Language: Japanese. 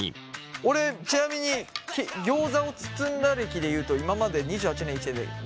俺ちなみにギョーザを包んだ歴でいうと今まで２８年生きてて２回ぐらい。